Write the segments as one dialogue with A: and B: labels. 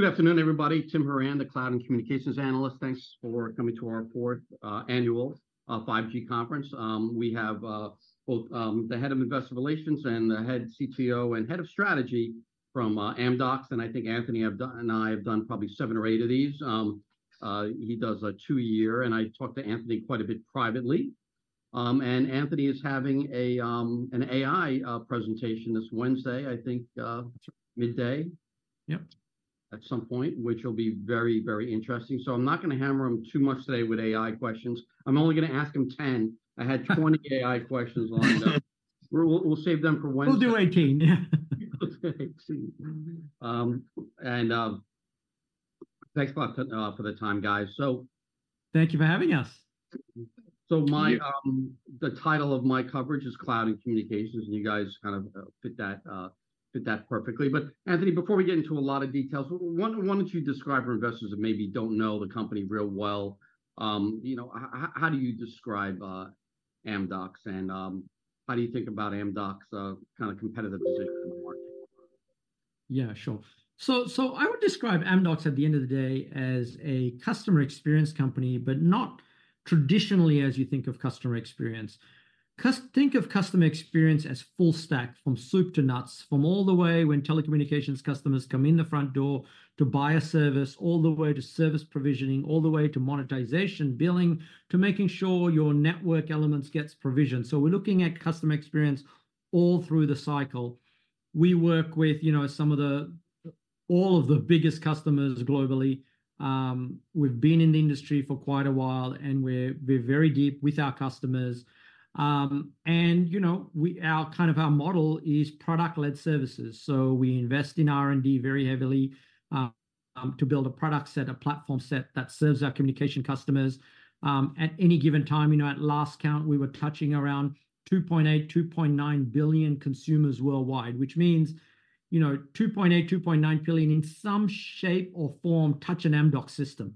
A: Good afternoon, everybody. Tim Horan, the cloud and communications analyst. Thanks for coming to our fourth annual 5G conference. We have both the head of investor relations and the head CTO and head of strategy from Amdocs. And I think, Anthony have done, and I have done probably seven or eight of these. He does a two-year, and I talk to Anthony quite a bit privately. And Anthony is having an AI presentation this Wednesday, I think, midday?
B: Yep.
A: At some point, which will be very, very interesting. So I'm not gonna hammer him too much today with AI questions. I'm only gonna ask him 10. I had 20 AI questions lined up. We'll save them for Wednesday.
B: We'll do 18.
A: Thanks a lot for the time, guys.
B: Thank you for having us!
A: So my
C: Thank you.
A: The title of my coverage is Cloud and Communications, and you guys kind of fit that fit that perfectly. But Anthony, before we get into a lot of details, why don't you describe for investors that maybe don't know the company real well, you know, how do you describe Amdocs and, how do you think about Amdocs, kind of competitive position in the market?
B: Yeah, sure. So I would describe Amdocs at the end of the day as a customer experience company, but not traditionally as you think of customer experience. Think of customer experience as full stack, from soup to nuts, from all the way when telecommunications customers come in the front door to buy a service, all the way to service provisioning, all the way to monetization, billing, to making sure your network elements gets provisioned. So we're looking at customer experience all through the cycle. We work with, you know, all of the biggest customers globally. We've been in the industry for quite a while, and we're very deep with our customers. And, you know, our kind of model is product-led services. We invest in R&D very heavily, to build a product set, a platform set that serves our communication customers. At any given time, you know, at last count, we were touching around 2.8-2.9 billion consumers worldwide, which means, you know, 2.8-2.9 billion, in some shape or form, touch an Amdocs system.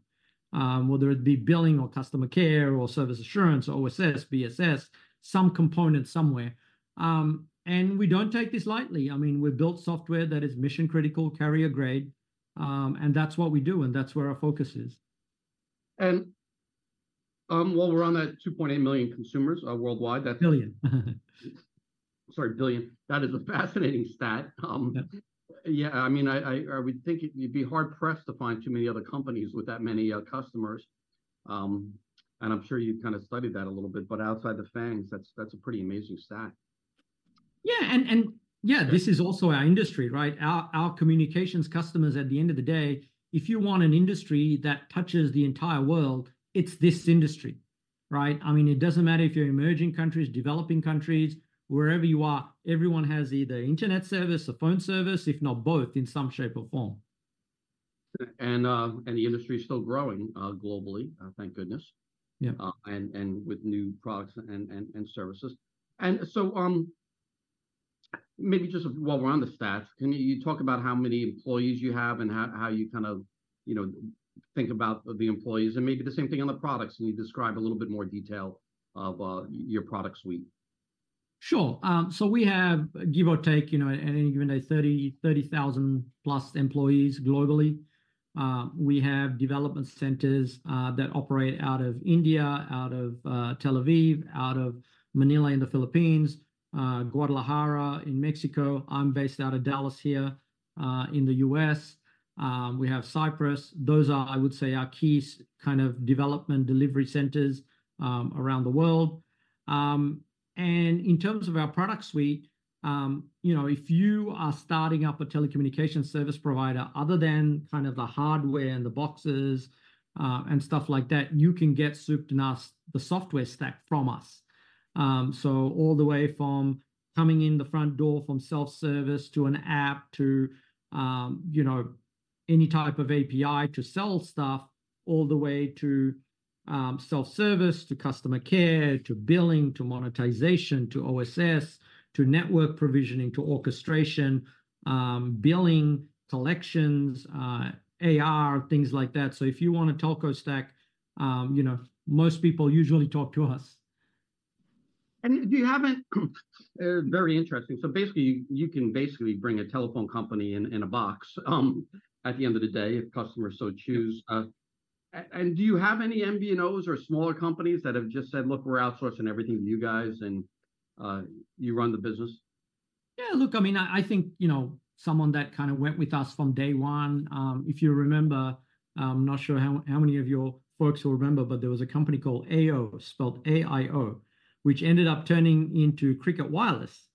B: Whether it be billing or customer care or service assurance, OSS, BSS, some component somewhere. And we don't take this lightly. I mean, we've built software that is mission-critical, carrier grade, and that's what we do and that's where our focus is.
A: While we're on that 2.8 million consumers worldwide, that
B: Billion.
A: Sorry, billion. That is a fascinating stat.
B: Yeah.
A: Yeah, I mean, I would think you'd be hard pressed to find too many other companies with that many customers. And I'm sure you've kind of studied that a little bit, but outside the FANGs, that's a pretty amazing stat.
B: Yeah, yeah, this is also our industry, right? Our communications customers, at the end of the day, if you want an industry that touches the entire world, it's this industry, right? I mean, it doesn't matter if you're emerging countries, developing countries, wherever you are, everyone has either internet service or phone service, if not both, in some shape or form.
A: And the industry is still growing globally, thank goodness.
B: Yeah.
A: And with new products and services. And so, maybe just while we're on the stats, can you talk about how many employees you have and how you kind of, you know, think about the employees, and maybe the same thing on the products, can you describe a little bit more detail of your product suite?
B: Sure. So we have, give or take, you know, at any given day, 30,000+ employees globally. We have development centers that operate out of India, out of Tel Aviv, out of Manila in the Philippines, Guadalajara in Mexico. I'm based out of Dallas here in the U.S. We have Cyprus. Those are, I would say, our key kind of development delivery centers around the world. And in terms of our product suite, you know, if you are starting up a telecommunication service provider, other than kind of the hardware and the boxes and stuff like that, you can get soup to nuts the software stack from us. So all the way from coming in the front door, from self-service to an app, to, you know, any type of API to sell stuff, all the way to, self-service, to customer care, to billing, to monetization, to OSS, to network provisioning, to orchestration, billing, collections, AR, things like that. So if you want a telco stack, you know, most people usually talk to us.
A: Very interesting. So basically, you can basically bring a telephone company in a box, at the end of the day, if customers so choose. And do you have any MVNOs or smaller companies that have just said: "Look, we're outsourcing everything to you guys, and you run the business?
B: Yeah, look, I mean, I think, you know, someone that kind of went with us from day one, if you remember, I'm not sure how many of your folks will remember, but there was a company called Aio, spelled A-I-O, which ended up turning into Cricket Wireless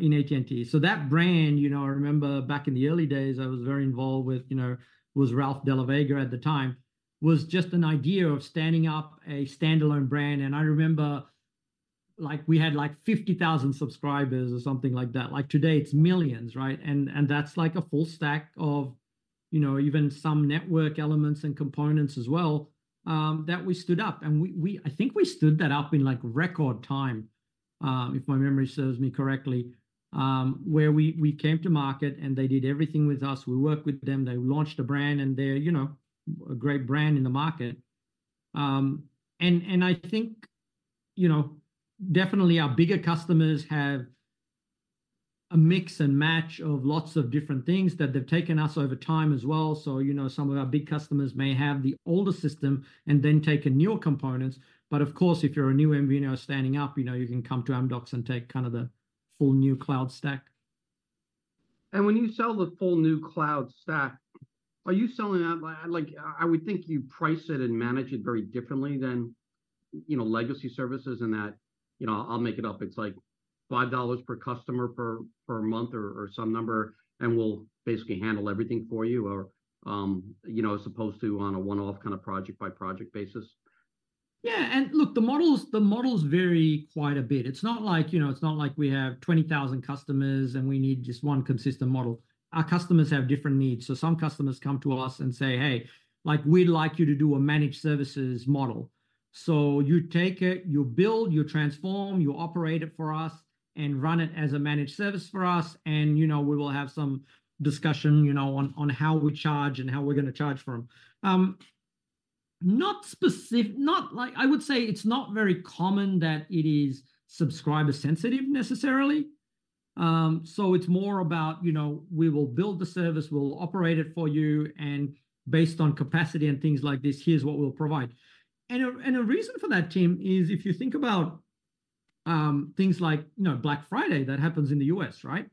B: in AT&T. So that brand, you know, I remember back in the early days, I was very involved with, you know, it was Ralph de la Vega at the time, was just an idea of standing up a standalone brand. And I remember, like, we had, like, 50,000 subscribers or something like that. Like, today, it's millions, right? And, and that's like a full stack of, you know, even some network elements and components as well, that we stood up. And we I think we stood that up in, like, record time, if my memory serves me correctly, where we came to market and they did everything with us. We worked with them, they launched a brand, and they're, you know, a great brand in the market. And I think, you know, definitely our bigger customers have a mix and match of lots of different things that they've taken us over time as well. So, you know, some of our big customers may have the older system and then take in newer components. But of course, if you're a new MVNO standing up, you know, you can come to Amdocs and take kind of the full new cloud stack.
A: And when you sell the full new cloud stack, are you selling that like, I would think you price it and manage it very differently than, you know, legacy services, in that, you know, I'll make it up, it's like $5 per customer per month or some number, and we'll basically handle everything for you or, you know, as opposed to on a one-off kind of project-by-project basis?
B: Yeah, and look, the models, the models vary quite a bit. It's not like, you know, it's not like we have 20,000 customers and we need just one consistent model. Our customers have different needs. So some customers come to us and say, "Hey, like, we'd like you to do a managed services model. So you take it, you build, you transform, you operate it for us, and run it as a managed service for us," and, you know, we will have some discussion, you know, on, on how we charge and how we're gonna charge for them. Not like. I would say it's not very common that it is subscriber sensitive necessarily. So it's more about, you know, we will build the service, we'll operate it for you, and based on capacity and things like this, here's what we'll provide. And a reason for that, Tim, is if you think about things like, you know, Black Friday, that happens in the US, right?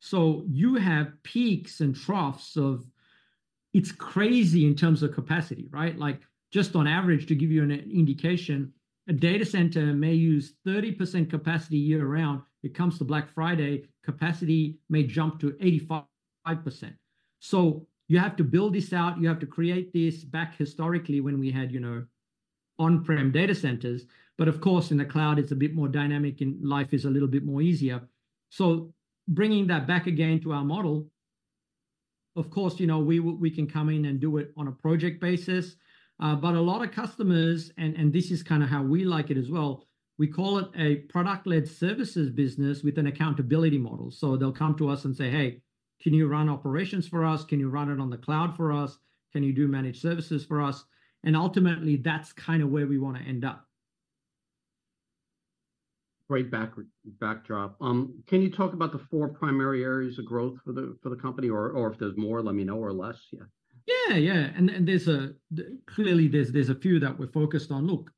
B: So you have peaks and troughs of, it's crazy in terms of capacity, right? Like, just on average, to give you an indication, a data center may use 30% capacity year-round. It comes to Black Friday, capacity may jump to 85%. So you have to build this out, you have to create this. Back historically, when we had, you know, on-prem data centers, but of course, in the cloud it's a bit more dynamic and life is a little bit more easier. So bringing that back again to our model, of course, you know, we can come in and do it on a project basis, but a lot of customers, and this is kind of how we like it as well, we call it a product-led services business with an accountability model. So they'll come to us and say, "Hey, can you run operations for us? Can you run it on the cloud for us? Can you do managed services for us?" And ultimately, that's kind of where we want to end up.
A: Great backward, backdrop. Can you talk about the four primary areas of growth for the company, or if there's more, let me know, or less, yeah?
B: Yeah, yeah. And there's a, Clearly, there's a few that we're focused on. Look,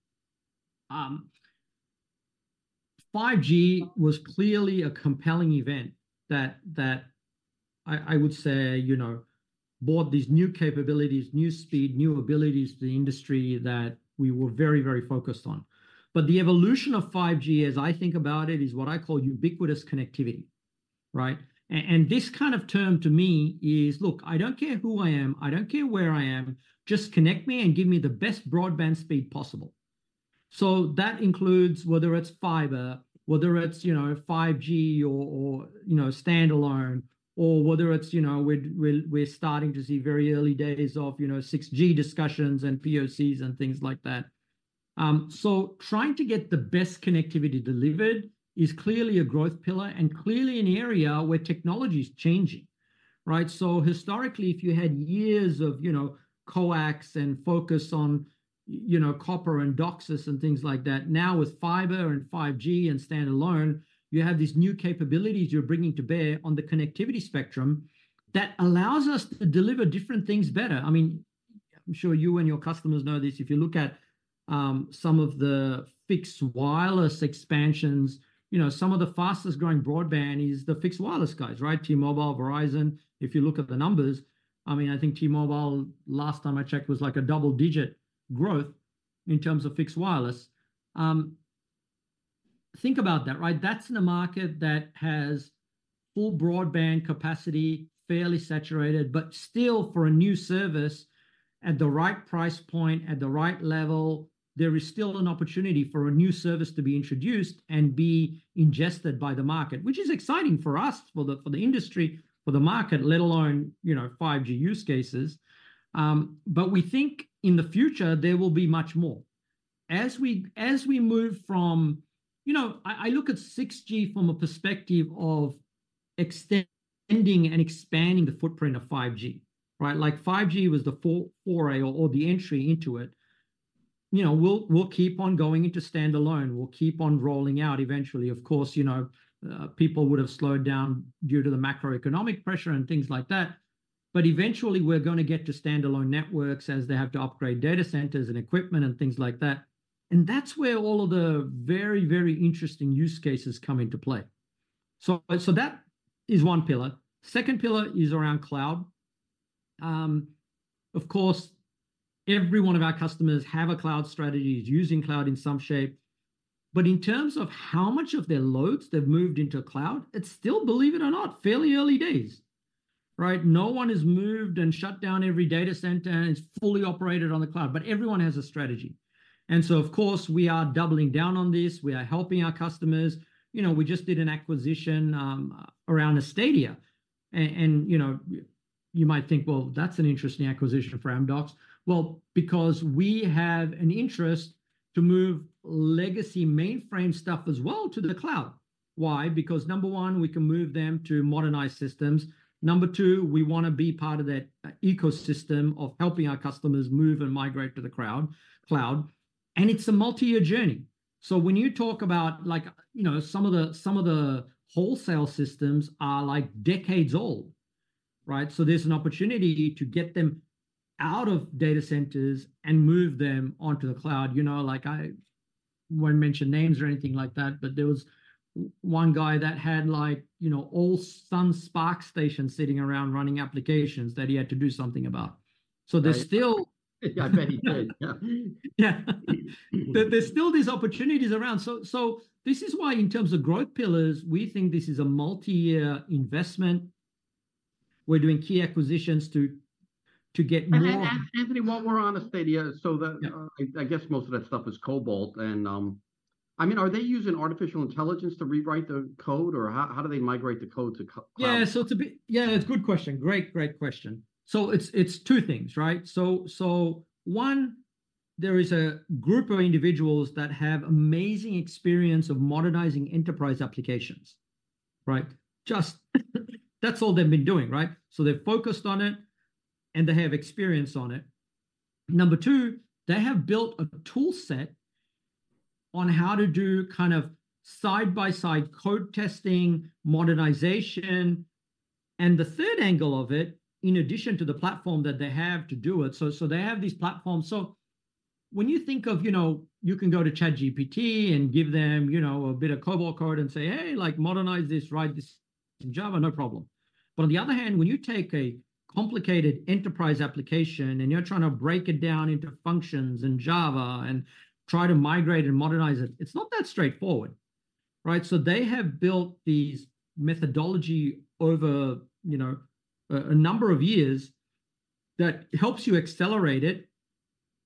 B: 5G was clearly a compelling event that I would say, you know, brought these new capabilities, new speed, new abilities to the industry that we were very, very focused on. But the evolution of 5G, as I think about it, is what I call ubiquitous connectivity, right? And this kind of term to me is, look, I don't care who I am, I don't care where I am, just connect me and give me the best broadband speed possible. So that includes whether it's fiber, whether it's, you know, 5G or you know, standalone, or whether it's, you know, we're starting to see very early days of, you know, 6G discussions and POCs and things like that. So trying to get the best connectivity delivered is clearly a growth pillar and clearly an area where technology's changing, right? So historically, if you had years of, you know, coax and focus on, you know, copper and DOCSIS and things like that, now with fiber and 5G and standalone, you have these new capabilities you're bringing to bear on the connectivity spectrum that allows us to deliver different things better. I mean, I'm sure you and your customers know this, if you look at some of the Fixed Wireless expansions, you know, some of the fastest growing broadband is the Fixed Wireless guys, right? T-Mobile, Verizon. If you look at the numbers, I mean, I think T-Mobile, last time I checked, was like a double-digit growth in terms of Fixed Wireless. Think about that, right? That's in a market that has full broadband capacity, fairly saturated, but still for a new service at the right price point, at the right level, there is still an opportunity for a new service to be introduced and be ingested by the market. Which is exciting for us, for the industry, for the market, let alone, you know, 5G use cases. But we think in the future there will be much more. As we move from, you know, I look at 6G from a perspective of extending and expanding the footprint of 5G, right? Like 5G was the foray or the entry into it. You know, we'll keep on going into standalone, we'll keep on rolling out eventually. Of course, you know, people would have slowed down due to the macroeconomic pressure and things like that, but eventually we're gonna get to standalone networks as they have to upgrade data centers and equipment and things like that. And that's where all of the very, very interesting use cases come into play. So, so that is one pillar. Second pillar is around cloud. Of course, every one of our customers have a cloud strategy, is using cloud in some shape. But in terms of how much of their loads they've moved into cloud, it's still, believe it or not, fairly early days, right? No one has moved and shut down every data center and is fully operated on the cloud, but everyone has a strategy. And so of course, we are doubling down on this. We are helping our customers. You know, we just did an acquisition around Astadia, and you know, you might think, "Well, that's an interesting acquisition for Amdocs." Well, because we have an interest to move legacy mainframe stuff as well to the cloud. Why? Because number one, we can move them to modernized systems. Number two, we want to be part of that ecosystem of helping our customers move and migrate to the cloud, and it's a multi-year journey. So when you talk about like, you know, some of the wholesale systems are like decades old, right? So there's an opportunity to get them out of data centers and move them onto the cloud. You know, like, I won't mention names or anything like that, but there was one guy that had, like, you know, all Sun SPARC stations sitting around running applications that he had to do something about. So there's still
A: I bet he did. Yeah.
B: Yeah. But there's still these opportunities around. So, so this is why, in terms of growth pillars, we think this is a multi-year investment. We're doing key acquisitions to, to get more-
A: Anthony, while we're on Astadia, so the
B: Yeah
A: I guess most of that stuff is COBOL and, I mean, are they using artificial intelligence to rewrite the code, or how do they migrate the code to cloud?
B: Yeah. So yeah, it's a good question. Great, great question. So it's, it's two things, right? So, so one, there is a group of individuals that have amazing experience of modernizing enterprise applications, right? That's all they've been doing, right? So they're focused on it, and they have experience on it. Number two, they have built a toolset on how to do kind of side-by-side code testing, modernization. And the third angle of it, in addition to the platform that they have to do it. So, so they have these platforms. So when you think of, you know, you can go to ChatGPT and give them, you know, a bit of COBOL code and say, "Hey, like, modernize this, write this in Java," no problem. But on the other hand, when you take a complicated enterprise application and you're trying to break it down into functions in Java and try to migrate and modernize it, it's not that straightforward, right? So they have built this methodology over, you know, a number of years that helps you accelerate it.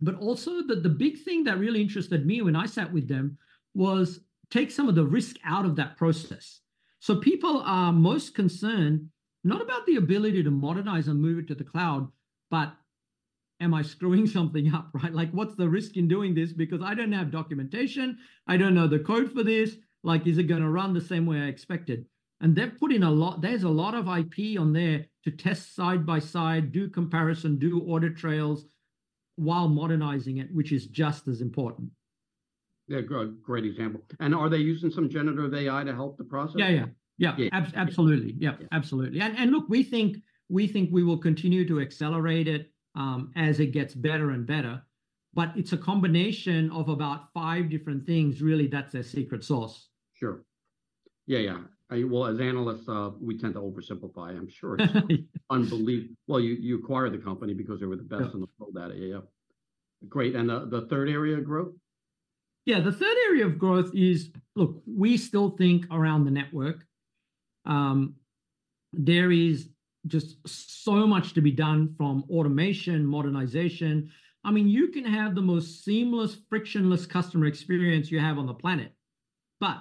B: But also, the big thing that really interested me when I sat with them was take some of the risk out of that process. So people are most concerned, not about the ability to modernize and move it to the cloud, but am I screwing something up, right? Like, what's the risk in doing this? Because I don't have documentation, I don't know the code for this. Like, is it gonna run the same way I expect it? They've put in a lot, there's a lot of IP on there to test side by side, do comparison, do audit trails, while modernizing it, which is just as important.
A: Yeah, good. Great example. Are they using some generative AI to help the process?
B: Yeah, yeah. Yeah.
A: Yeah.
B: Absolutely. Yeah, absolutely.
A: Yeah.
B: Look, we think we will continue to accelerate it, as it gets better and better, but it's a combination of about five different things, really, that's their secret sauce.
A: Sure. Yeah, yeah. Well, as analysts, we tend to oversimplify. I'm sure it's unbelievable. Well, you acquired the company because they were the best-
B: Yeah
A: In the world at AI. Great, and the third area of growth?
B: Yeah, the third area of growth is, look, we still think around the network, there is just so much to be done from automation, modernization. I mean, you can have the most seamless, frictionless customer experience you have on the planet, but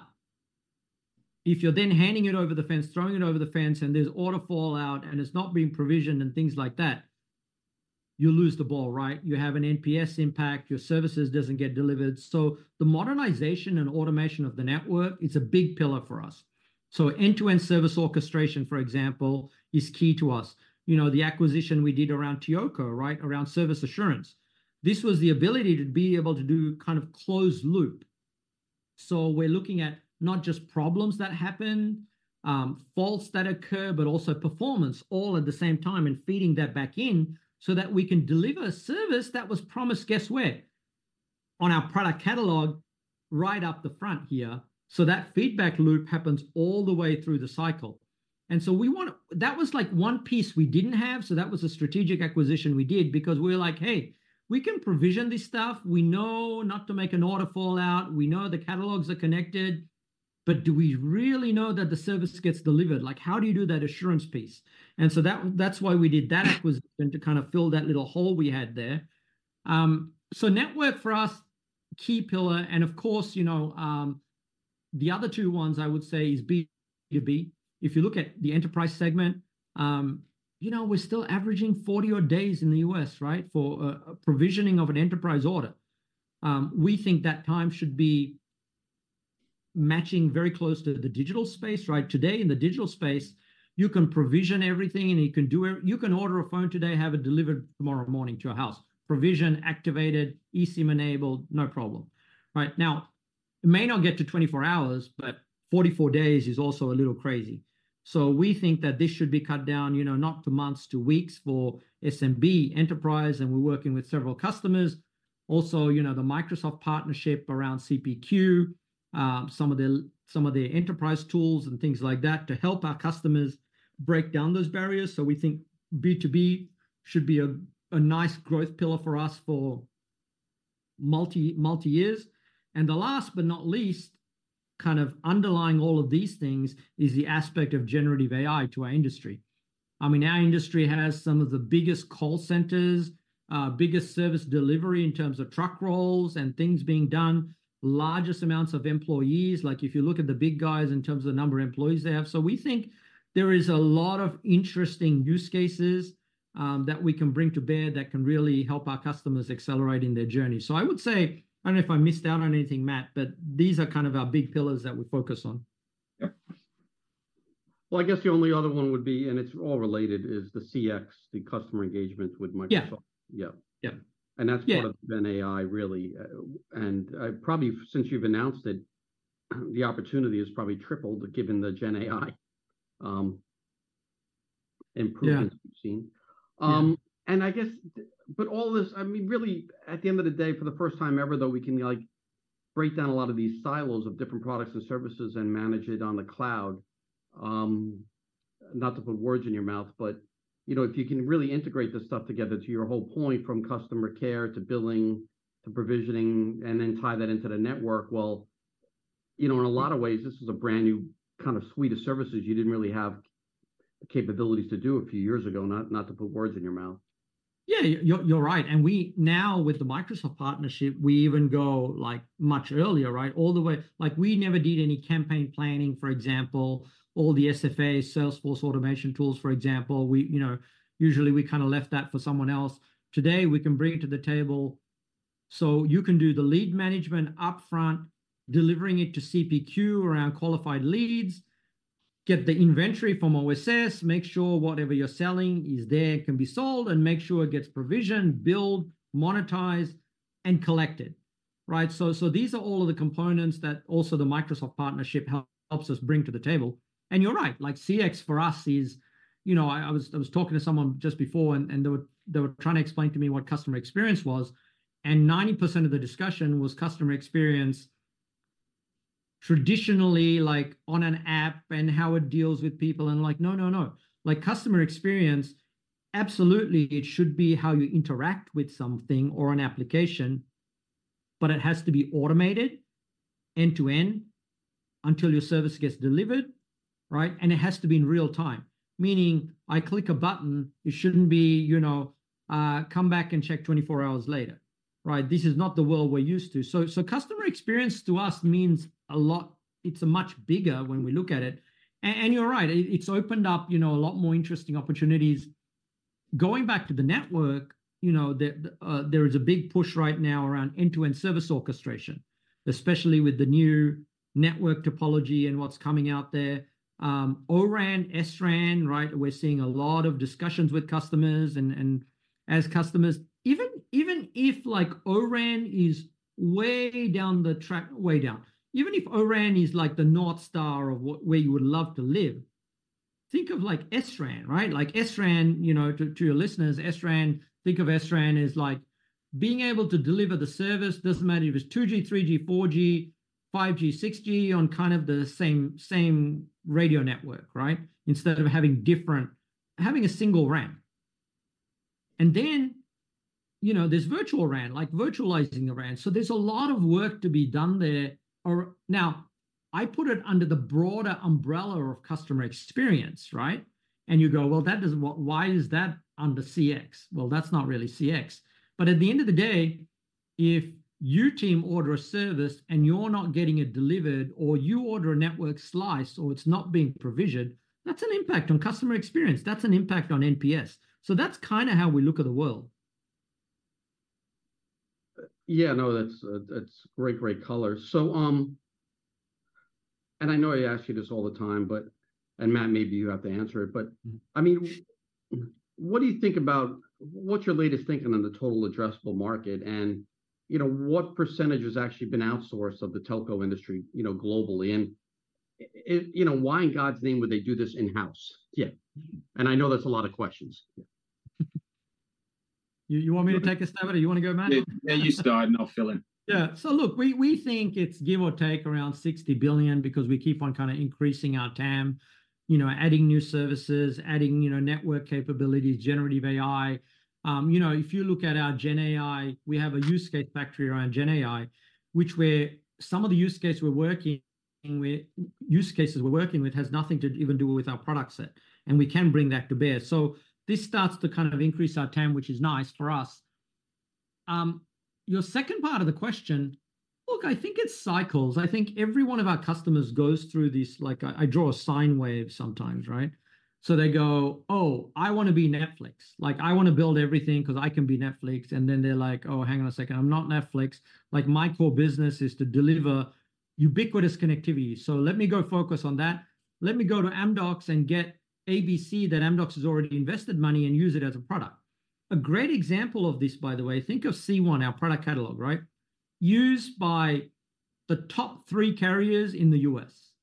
B: if you're then handing it over the fence, throwing it over the fence, and there's order fallout and it's not being provisioned and things like that, you lose the ball, right? You have an NPS impact, your services doesn't get delivered. So the modernization and automation of the network is a big pillar for us. So end-to-end service orchestration, for example, is key to us. You know, the acquisition we did around TEOCO, right? Around service assurance. This was the ability to be able to do kind of closed loop. So we're looking at not just problems that happen, faults that occur, but also performance all at the same time, and feeding that back in so that we can deliver a service that was promised, guess where? On our product catalog right up the front here. So that feedback loop happens all the way through the cycle. That was, like, one piece we didn't have, so that was a strategic acquisition we did because we were like: Hey, we can provision this stuff. We know not to make an order fallout, we know the catalogs are connected, but do we really know that the service gets delivered? Like, how do you do that assurance piece? And so that's why we did that acquisition, to kind of fill that little hole we had there. So network for us, key pillar, and of course, you know, the other two ones I would say is B2B. If you look at the enterprise segment, you know, we're still averaging 40-odd days in the U.S., right, for a, a provisioning of an enterprise order. We think that time should be matching very close to the digital space, right? Today, in the digital space, you can provision everything and you can do every- you can order a phone today, have it delivered tomorrow morning to your house. Provision, activated, eSIM-enabled, no problem. Right. Now, it may not get to 24 hours, but 44 days is also a little crazy. So we think that this should be cut down, you know, not to months, to weeks for SMB enterprise, and we're working with several customers. Also, you know, the Microsoft partnership around CPQ, some of their enterprise tools and things like that, to help our customers break down those barriers. So we think B2B should be a nice growth pillar for us for multi years. And the last but not least, kind of underlying all of these things, is the aspect of generative AI to our industry. I mean, our industry has some of the biggest call centers, biggest service delivery in terms of truck rolls and things being done, largest amounts of employees, like if you look at the big guys in terms of the number of employees they have. So we think there is a lot of interesting use cases, that we can bring to bear that can really help our customers accelerate in their journey. I would say, I don't know if I missed out on anything, Matt, but these are kind of our big pillars that we focus on.
A: Yep. Well, I guess the only other one would be, and it's all related, is the CX, the customer engagement with Microsoft.
B: Yeah.
A: Yeah.
B: Yeah.
A: That's part-
B: Yeah
A: Of Gen AI, really. And, probably since you've announced it, the opportunity has probably tripled, given the Gen AI, improvements-
B: Yeah
A: We've seen.
B: Yeah.
A: And I guess, but all this, I mean, really, at the end of the day, for the first time ever, though, we can, like, break down a lot of these silos of different products and services and manage it on the cloud. Not to put words in your mouth, but, you know, if you can really integrate this stuff together, to your whole point, from customer care to billing, to provisioning, and then tie that into the network, well, you know, in a lot of ways, this is a brand-new kind of suite of services you didn't really have the capabilities to do a few years ago. Not, not to put words in your mouth.
B: Yeah, you're right. And we now, with the Microsoft partnership, we even go, like, much earlier, right? All the way. Like, we never did any campaign planning, for example, or the SFA, Salesforce automation tools, for example. We, you know, usually we kinda left that for someone else. Today, we can bring it to the table. So you can do the lead management upfront, delivering it to CPQ around qualified leads, get the inventory from OSS, make sure whatever you're selling is there and can be sold, and make sure it gets provisioned, billed, monetized, and collected, right? So, so these are all of the components that also the Microsoft partnership helps us bring to the table. And you're right, like CX for us is You know, I was talking to someone just before, and they were trying to explain to me what customer experience was, and 90% of the discussion was customer experience traditionally, like, on an app, and how it deals with people, and like. No, no, no. Like, customer experience, absolutely it should be how you interact with something or an application, but it has to be automated end-to-end until your service gets delivered, right? And it has to be in real time, meaning I click a button, it shouldn't be, you know, come back and check 24 hours later, right? This is not the world we're used to. So customer experience to us means a lot, it's much bigger when we look at it. And you're right, it, it's opened up, you know, a lot more interesting opportunities. Going back to the network, you know, there is a big push right now around end-to-end service orchestration, especially with the new network topology and what's coming out there. O-RAN, SRAN, right? We're seeing a lot of discussions with customers, and as customers. Even if, like, O-RAN is way down the track, way down, even if O-RAN is like the North Star of what where you would love to live, think of, like, SRAN, right? Like, SRAN, you know, to your listeners, SRAN, think of SRAN as, like, being able to deliver the service, doesn't matter if it's 2G, 3G, 4G, 5G, 6G, on kind of the same radio network, right? Instead of having different. Having a single RAN. And then, you know, there's virtual RAN, like virtualizing the RAN. So there's a lot of work to be done there. Or, now, I put it under the broader umbrella of customer experience, right? And you go, "Well, that doesn't, why is that under CX? Well, that's not really CX." But at the end of the day, if your team order a service and you're not getting it delivered, or you order a network slice, or it's not being provisioned, that's an impact on customer experience. That's an impact on NPS. So that's kinda how we look at the world.
A: Yeah, no, that's great, great color. So, and I know I ask you this all the time, but, and Matt, maybe you have to answer it, but
B: Mm
A: I mean, what do you think about, what's your latest thinking on the total addressable market? And, you know, what percentage has actually been outsourced of the telco industry, you know, globally? And, you know, why in God's name would they do this in-house? Yeah. And I know that's a lot of questions. Yeah.
B: You want me to take a stab at it? You wanna go, Matt?
A: Yeah, you start, and I'll fill in.
B: Yeah. So look, we, we think it's give or take around $60 billion, because we keep on kinda increasing our TAM, you know, adding new services, adding, you know, network capabilities, generative AI. You know, if you look at our gen AI, we have a use case factory around gen AI, which some of the use cases we're working with has nothing to even do with our product set, and we can bring that to bear. So this starts to kind of increase our TAM, which is nice for us. Your second part of the question, look, I think it's cycles. I think every one of our customers goes through these. Like, I, I draw a sine wave sometimes, right? So they go, "Oh, I wanna be Netflix. Like, I wanna build everything, 'cause I can be Netflix. And then they're like, "Oh, hang on a second. I'm not Netflix. Like, my core business is to deliver ubiquitous connectivity, so let me go focus on that. Let me go to Amdocs and get ABC that Amdocs has already invested money, and use it as a product." A great example of this, by the way, think of C1, our product catalog, right? Used by the top three carriers in the U.S.,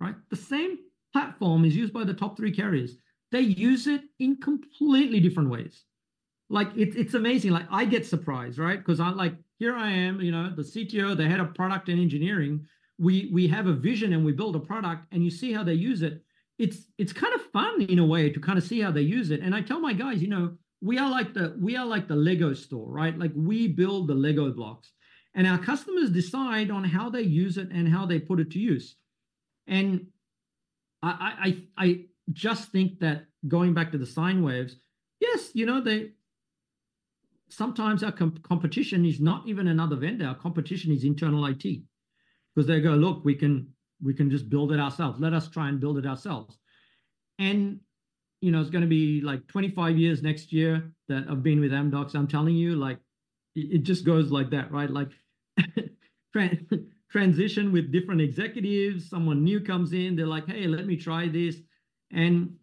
B: right? The same platform is used by the top three carriers. They use it in completely different ways. Like, it's, it's amazing. Like, I get surprised, right? 'Cause I'm like, here I am, you know, the CTO, the head of product and engineering, we, we have a vision and we build a product, and you see how they use it. It's kind of fun in a way, to kinda see how they use it. And I tell my guys, "You know, we are like the Lego store, right? Like, we build the Lego blocks, and our customers decide on how they use it and how they put it to use." And I just think that, going back to the sine waves, yes, you know, sometimes our competition is not even another vendor. Our competition is internal IT, 'cause they go, "Look, we can, we can just build it ourselves. Let us try and build it ourselves." You know, it's gonna be, like, 25 years next year that I've been with Amdocs. I'm telling you, like, it just goes like that, right? Like, transition with different executives, someone new comes in, they're like: "Hey, let me try this," and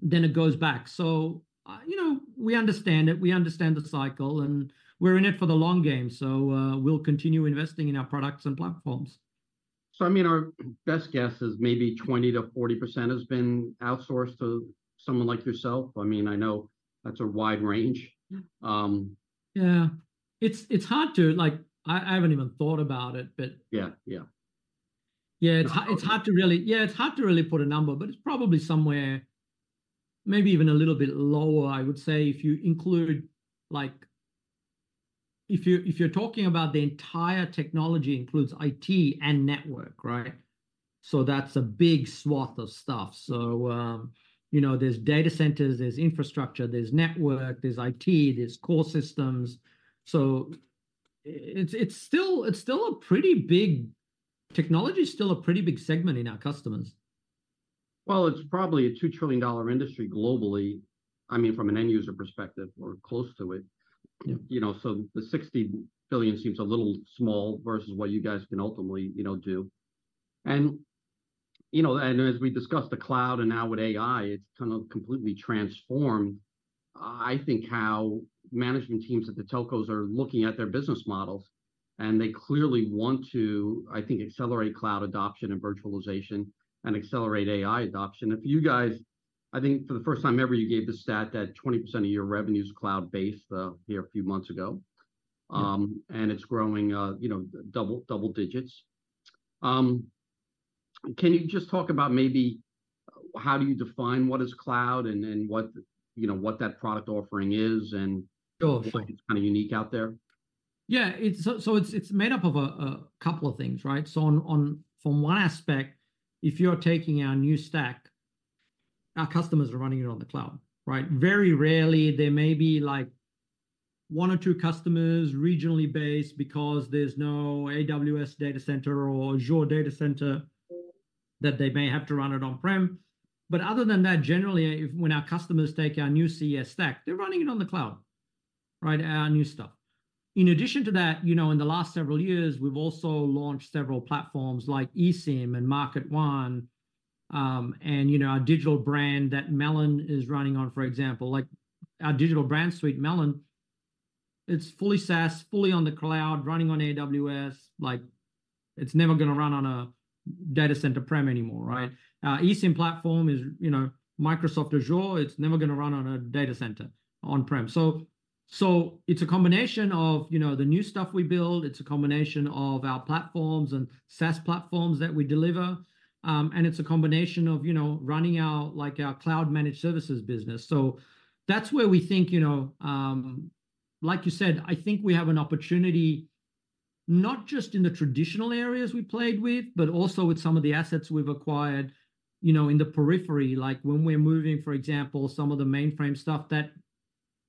B: then it goes back. So, you know, we understand it, we understand the cycle, and we're in it for the long game, so, we'll continue investing in our products and platforms.
A: So, I mean, our best guess is maybe 20%-40% has been outsourced to someone like yourself. I mean, I know that's a wide range.
B: Yeah.
A: Um
B: Yeah. It's hard to, like. I haven't even thought about it, but
A: Yeah, yeah.
B: Yeah, it's
A: Okay
B: It's hard to really, yeah, it's hard to really put a number, but it's probably somewhere maybe even a little bit lower, I would say, if you include, like, if you're talking about the entire technology, includes IT and network, right? So that's a big swath of stuff. So, you know, there's data centers, there's infrastructure, there's network, there's IT, there's core systems. So technology is still a pretty big segment in our customers.
A: Well, it's probably a $2 trillion industry globally, I mean, from an end user perspective, or close to it.
B: Yeah.
A: You know, so the $60 billion seems a little small versus what you guys can ultimately, you know, do. And, you know, and as we discussed, the cloud and now with AI, it's kind of completely transformed, I think, how management teams at the telcos are looking at their business models, and they clearly want to, I think, accelerate cloud adoption and virtualization, and accelerate AI adoption. If you guys, I think for the first time ever, you gave the stat that 20% of your revenue is cloud-based here a few months ago.
B: Mm.
A: And it's growing, you know, double, double digits. Can you just talk about maybe how do you define what is cloud, and, and what, you know, what that product offering is, and-
B: Oh, sure
A: What is kinda unique out there?
B: Yeah. It's so, it's made up of a couple of things, right? So on, from one aspect, if you're taking our new stack, our customers are running it on the cloud, right? Very rarely, there may be, like, one or two customers, regionally based, because there's no AWS data center or Azure data center, that they may have to run it on-prem. But other than that, generally, when our customers take our new CS stack, they're running it on the cloud, right? Our new stuff. In addition to that, you know, in the last several years, we've also launched several platforms like eSIM and MarketONE, and, you know, our digital brand that Melon is running on, for example. Like, our digital brand suite, Melon, it's fully SaaS, fully on the cloud, running on AWS. Like, it's never gonna run on a data center prem anymore, right?
A: Yeah.
B: eSIM platform is, you know, Microsoft Azure, it's never gonna run on a data center on-prem. So, so it's a combination of, you know, the new stuff we build, it's a combination of our platforms and SaaS platforms that we deliver, and it's a combination of, you know, running our, like, our cloud-managed services business. So that's where we think, you know, like you said, I think we have an opportunity, not just in the traditional areas we played with, but also with some of the assets we've acquired, you know, in the periphery. Like when we're moving, for example, some of the mainframe stuff that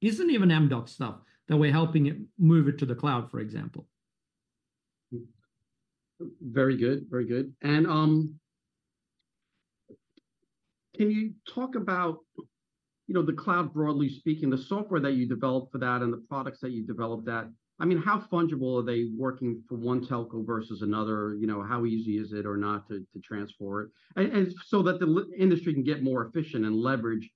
B: isn't even Amdocs stuff, that we're helping it move it to the cloud, for example.
A: Very good, very good. And can you talk about, you know, the cloud, broadly speaking, the software that you developed for that and the products that you developed that, I mean, how fungible are they working for one telco versus another? You know, how easy is it or not to transfer it? And so that the industry can get more efficient and leverage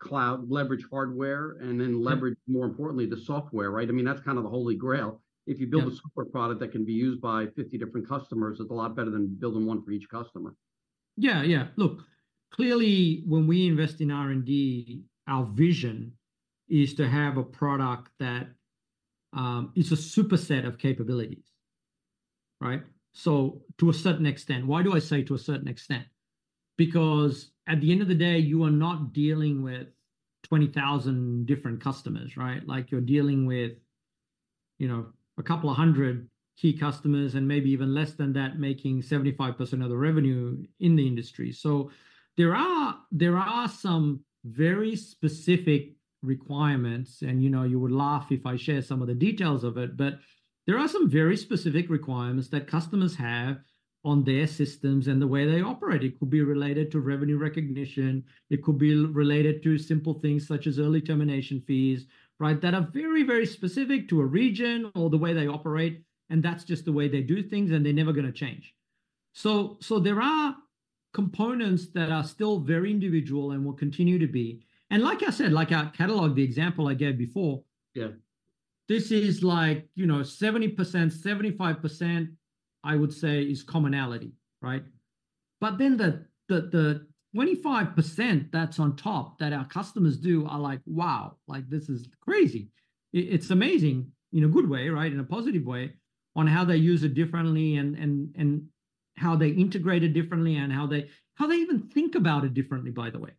A: cloud, leverage hardware, and then leverage
B: Yeah
A: More importantly, the software, right? I mean, that's kind of the Holy Grail.
B: Yeah.
A: If you build a software product that can be used by 50 different customers, it's a lot better than building one for each customer.
B: Yeah, yeah. Look, clearly, when we invest in R&D, our vision is to have a product that is a super set of capabilities, right? So to a certain extent. Why do I say to a certain extent? Because at the end of the day, you are not dealing with 20,000 different customers, right? Like, you're dealing with, you know, a couple of hundred key customers, and maybe even less than that, making 75% of the revenue in the industry. So there are some very specific requirements, and you know, you would laugh if I share some of the details of it, but there are some very specific requirements that customers have on their systems and the way they operate. It could be related to revenue recognition, it could be related to simple things such as early termination fees, right? That are very, very specific to a region or the way they operate, and that's just the way they do things, and they're never gonna change. So, so there are components that are still very individual and will continue to be. And like I said, like our catalog, the example I gave before
A: Yeah
B: This is like, you know, 70%, 75%, I would say, is commonality, right? But then the 25% that's on top, that our customers do, are like: "Wow!" Like, "This is crazy!" It's amazing, in a good way, right, in a positive way, on how they use it differently and how they integrate it differently, and how they even think about it differently, by the way.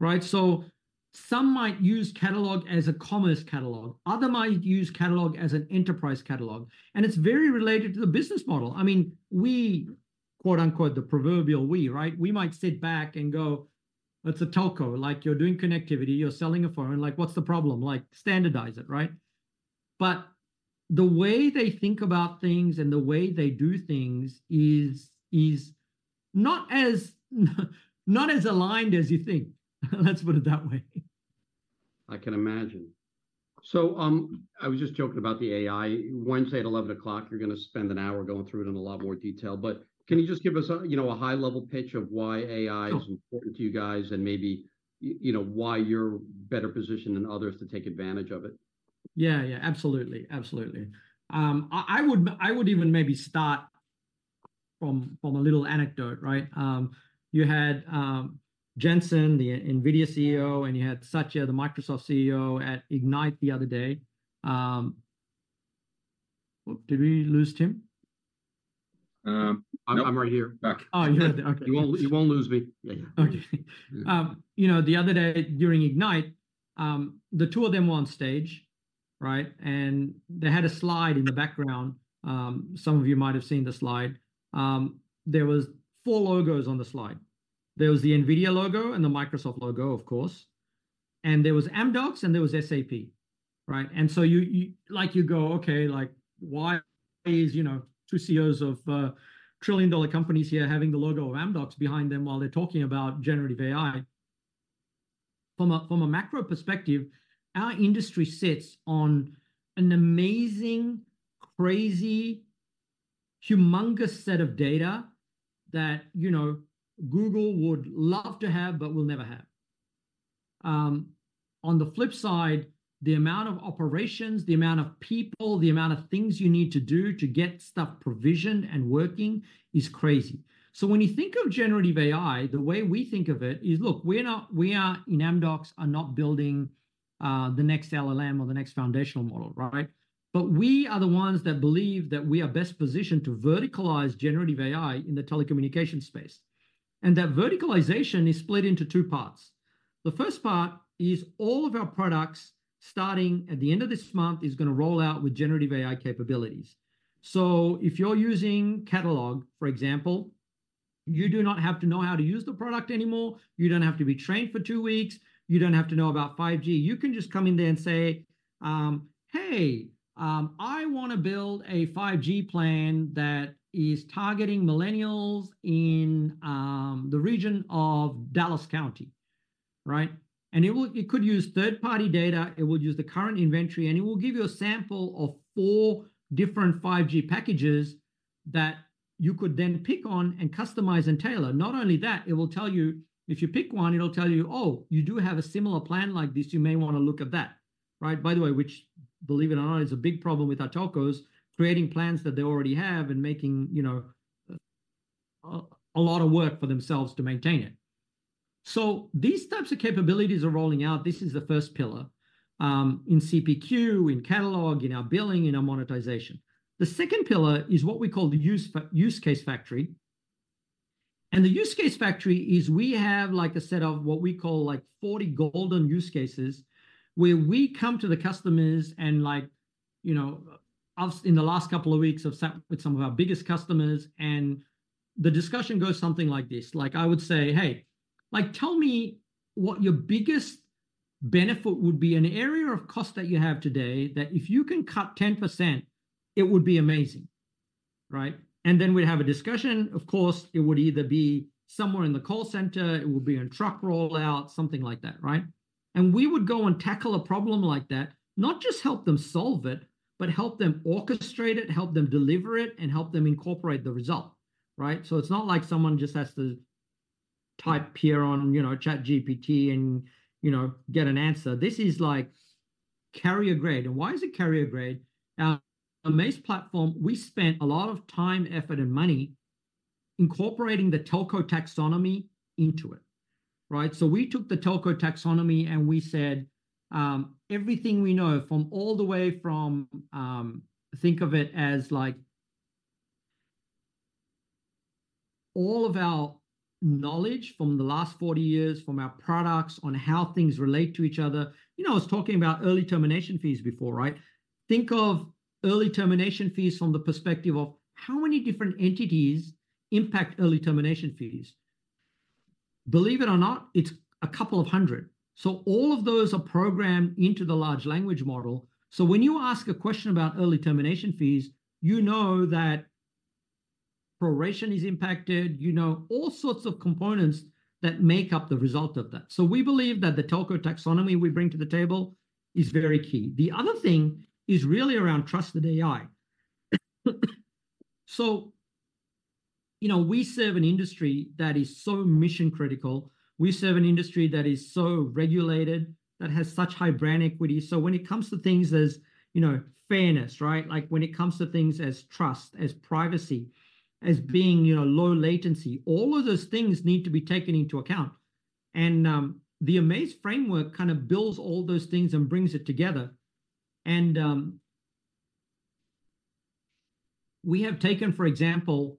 B: Right? So some might use catalog as a commerce catalog, others might use catalog as an enterprise catalog, and it's very related to the business model. I mean, we, quote, unquote, the proverbial we, right? We might sit back and go, "It's a telco. Like, you're doing connectivity, you're selling a phone. Like, what's the problem? Like, standardize it," right? but the way they think about things and the way they do things is not as aligned as you think. Let's put it that way.
A: I can imagine. So, I was just joking about the AI. Wednesday at 11:00 A.M., you're gonna spend an hour going through it in a lot more detail, but can you just give us a, you know, a high-level pitch of why AI
B: Sure
A: is important to you guys, and maybe, you know, why you're better positioned than others to take advantage of it?
B: Yeah, yeah, absolutely, absolutely. I would even maybe start from a little anecdote, right? You had Jensen, the NVIDIA CEO, and you had Satya, the Microsoft CEO, at Ignite the other day. Oh, did we lose Tim?
A: I'm right here. Back.
B: Oh, you're back. Okay.
A: You won't, you won't lose me.
B: Okay. You know, the other day during Ignite, the two of them were on stage, right? And they had a slide in the background. Some of you might have seen the slide. There was four logos on the slide. There was the NVIDIA logo and the Microsoft logo, of course, and there was Amdocs, and there was SAP, right? And so you, you like, you go: Okay, like, why is, you know, two CEOs of, trillion-dollar companies here having the logo of Amdocs behind them while they're talking about generative AI? From a, from a macro perspective, our industry sits on an amazing, crazy, humongous set of data that, you know, Google would love to have but will never have. On the flip side, the amount of operations, the amount of people, the amount of things you need to do to get stuff provisioned and working is crazy. So when you think of generative AI, the way we think of it is, look, we're not—we are, in Amdocs, are not building the next LLM or the next foundational model, right? But we are the ones that believe that we are best positioned to verticalize generative AI in the telecommunication space, and that verticalization is split into two parts. The first part is all of our products, starting at the end of this month, is gonna roll out with generative AI capabilities. So if you're using Catalog, for example, you do not have to know how to use the product anymore. You don't have to be trained for two weeks. You don't have to know about 5G. You can just come in there and say, "Hey, I wanna build a 5G plan that is targeting millennials in the region of Dallas County," right? And it will - it could use third-party data, it will use the current inventory, and it will give you a sample of 4 different 5G packages that you could then pick on and customize and tailor. Not only that, it will tell you, If you pick one, it'll tell you, "Oh, you do have a similar plan like this. You may wanna look at that," right? By the way, which, believe it or not, is a big problem with our telcos, creating plans that they already have and making, you know, a lot of work for themselves to maintain it. So these types of capabilities are rolling out. This is the first pillar in CPQ, in Catalog, in our billing, in our monetization. The second pillar is what we call the use case factory. The use case factory is we have, like, a set of what we call, like, 40 golden use cases, where we come to the customers and, like, you know. Us, in the last couple of weeks, I've sat with some of our biggest customers, and the discussion goes something like this. Like, I would say: "Hey, like, tell me what your biggest benefit would be, an area of cost that you have today, that if you can cut 10%, it would be amazing," right? And then we'd have a discussion. Of course, it would either be somewhere in the call center, it would be in truck roll, something like that, right? And we would go and tackle a problem like that. Not just help them solve it, but help them orchestrate it, help them deliver it, and help them incorporate the result, right? So it's not like someone just has to type here on, you know, ChatGPT and, you know, get an answer. This is, like, carrier grade. And why is it carrier grade? Our Amaiz platform, we spent a lot of time, effort, and money incorporating the Telco Taxonomy into it, right? So we took the Telco Taxonomy, and we said, everything we know from all the way from. Think of it as, like, all of our knowledge from the last 40 years, from our products on how things relate to each other. You know, I was talking about early termination fees before, right? Think of early termination fees from the perspective of how many different entities impact early termination fees. Believe it or not, it's a couple of hundred. So all of those are programmed into the large language model. So when you ask a question about early termination fees, you know that proration is impacted, you know all sorts of components that make up the result of that. So we believe that the Telco Taxonomy we bring to the table is very key. The other thing is really around trusted AI. So, you know, we serve an industry that is so mission-critical, we serve an industry that is so regulated, that has such high brand equity. So when it comes to things as, you know, fairness, right? Like, when it comes to things as trust, as privacy, as being, you know, low latency, all of those things need to be taken into account. And, the Amaze framework kind of builds all those things and brings it together. And, we have taken, for example,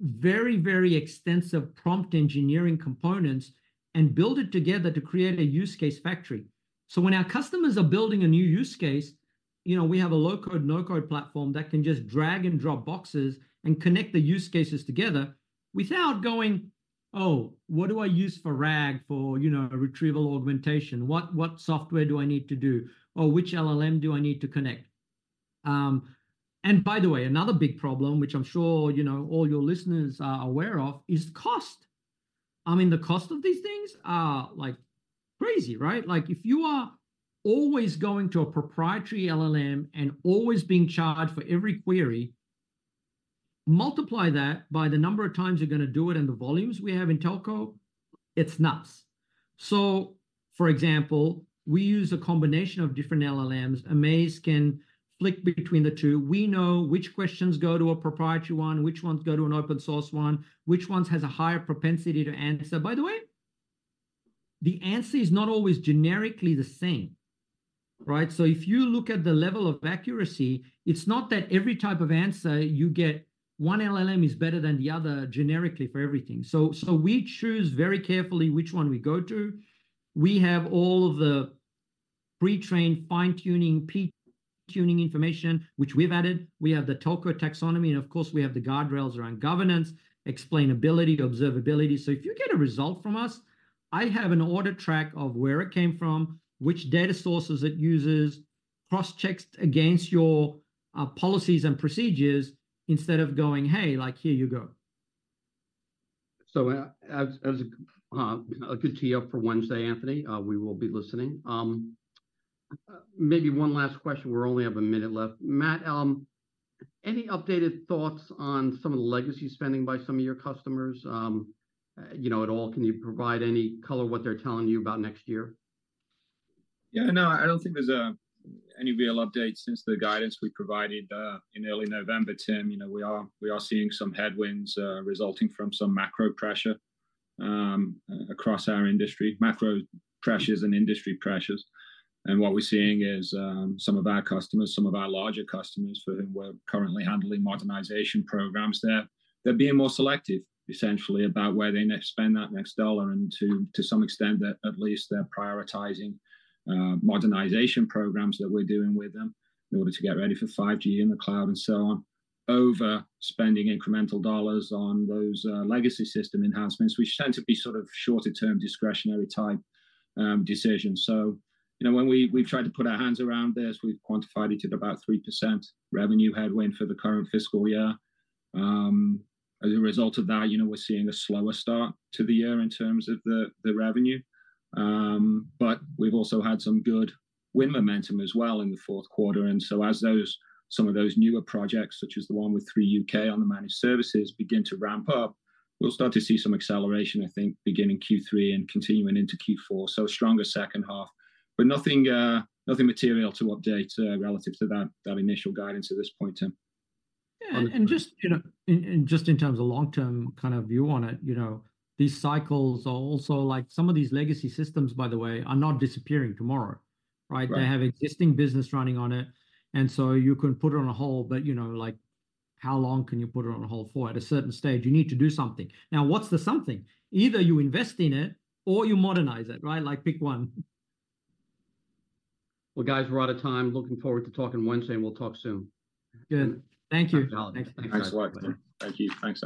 B: very, very extensive prompt engineering components and built it together to create a use case factory. So when our customers are building a new use case, you know, we have a low-code, no-code platform that can just drag and drop boxes and connect the use cases together without going. Oh, what do I use for RAG, for, you know, a retrieval augmentation? What, what software do I need to do, or which LLM do I need to connect? And by the way, another big problem, which I'm sure you know, all your listeners are aware of, is cost. I mean, the cost of these things are, like, crazy, right? Like, if you are always going to a proprietary LLM and always being charged for every query, multiply that by the number of times you're gonna do it and the volumes we have in telco, it's nuts. So, for example, we use a combination of different LLMs. Amaze can flick between the two. We know which questions go to a proprietary one, which ones go to an open source one, which ones has a higher propensity to answer. By the way, the answer is not always generically the same, right? So if you look at the level of accuracy, it's not that every type of answer you get, one LLM is better than the other generically for everything. So, so we choose very carefully which one we go to. We have all of the pre-trained fine-tuning, p-tuning information, which we've added. We have the Telco Taxonomy, and of course, we have the guardrails around governance, explainability, observability. So if you get a result from us, I have an audit track of where it came from, which data sources it uses, cross-checks against your policies and procedures, instead of going, "Hey," like, "here you go.
A: So, as a good tee up for Wednesday, Anthony, we will be listening. Maybe one last question, we only have a minute left. Matt, any updated thoughts on some of the legacy spending by some of your customers? You know, at all, can you provide any color what they're telling you about next year?
C: Yeah, no, I don't think there's any real update since the guidance we provided in early November, Tim. You know, we are seeing some headwinds resulting from some macro pressure across our industry. Macro pressures and industry pressures. And what we're seeing is some of our customers, some of our larger customers for whom we're currently handling modernization programs, they're being more selective, essentially, about where they next spend that next dollar. And to some extent at least, they're prioritizing modernization programs that we're doing with them in order to get ready for 5G in the cloud and so on, over spending incremental dollars on those legacy system enhancements, which tend to be sort of shorter-term, discretionary-type decisions. So, you know, when we've tried to put our hands around this, we've quantified it at about 3% revenue headwind for the current fiscal year. As a result of that, you know, we're seeing a slower start to the year in terms of the revenue. But we've also had some good win momentum as well in the fourth quarter. And so as some of those newer projects, such as the one with Three UK on the managed services, begin to ramp up, we'll start to see some acceleration, I think, beginning Q3 and continuing into Q4. So a stronger second half, but nothing material to update relative to that initial guidance at this point in time.
B: Yeah, and just, you know, just in terms of long-term kind of view on it, you know, these cycles are also. Like, some of these legacy systems, by the way, are not disappearing tomorrow, right?
C: Right.
B: They have existing business running on it, and so you can put it on a hold, but, you know, like, how long can you put it on a hold for? At a certain stage, you need to do something. Now, what's the something? Either you invest in it or you modernize it, right? Like, pick one.
A: Well, guys, we're out of time. Looking forward to talking Wednesday, and we'll talk soon.
B: Good. Thank you.
A: Thanks a lot.
C: Thank you. Thanks, Anthony.